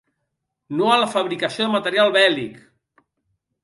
No a la fabricació de material bèl·lic!